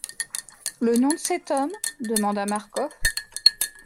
Le nom de cet homme ? demanda Marcof.